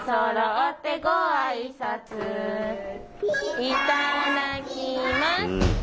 いただきます。